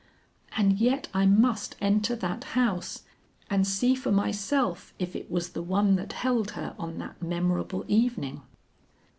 And yet I must enter that house and see for myself if it was the one that held her on that memorable evening.